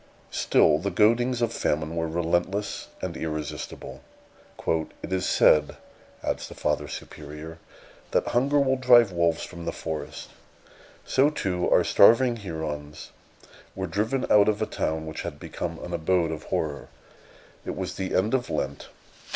Still the goadings of famine were relentless and irresistible. "It is said," adds the Father Superior, "that hunger will drive wolves from the forest. So, too, our starving Hurons were driven out of a town which had become an abode of horror. It was the end of Lent.